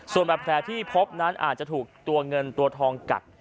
ส่วนแบบแผลที่พบนั้นอาจจะถูกตัวเงินตัวทองกัด